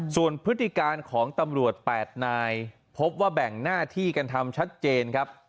ส่วนพฤติการของตำรวจ๘นายพบว่าแบ่งหน้าที่กันทำชัดเจนครับ